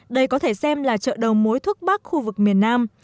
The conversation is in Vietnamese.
đây có thể xem là chợ đầu mối thuốc bắc khu vực miền nam